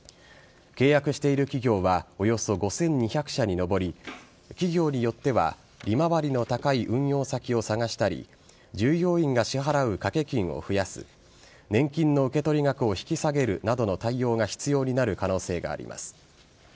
契約している企業はおよそ５２００社に上り企業によっては利回りの高い運用先を探したり従業員が支払う掛け金を増やす年金の受け取り額を引き下げるなどの対応が必要になる可能性があります。